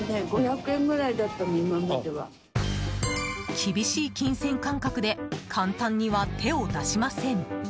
厳しい金銭感覚で簡単には手を出しません。